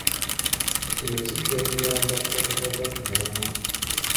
Kino kijja kukuyamba obutava ku mulamwa.